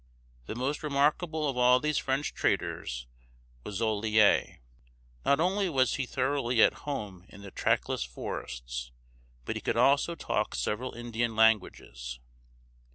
The most remarkable of all these French traders was Joliet (zho le ā´). Not only was he thoroughly at home in the trackless forests, but he could also talk several Indian languages.